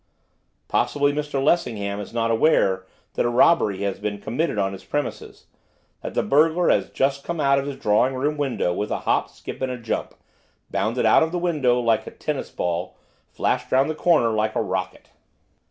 'Possibly Mr Lessingham is not aware that a robbery has been committed on his premises, that the burglar has just come out of his drawing room window with a hop, skip, and a jump, bounded out of the window like a tennis ball, flashed round the corner like a rocket.